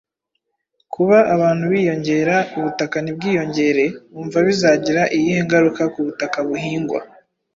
Kuba abantu biyongera, ubutaka ntibwiyongere wumva bizagira iyihe ngaruka ku butaka buhingwa?